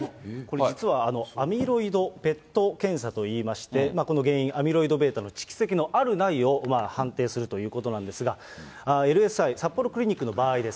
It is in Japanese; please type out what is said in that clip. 実はアミロイドＰＥＴ検査といいまして、この原因、アミロイドβの蓄積のあるないを判定するということなんですが、ＬＳＩ札幌クリニックの場合です。